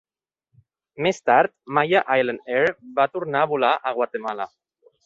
Més tard, Maya Island Air va tornar a volar a Guatemala.